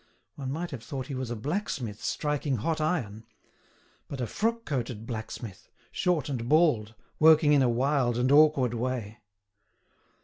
One might have thought he was a blacksmith striking hot iron—but a frock coated blacksmith, short and bald, working in a wild and awkward way.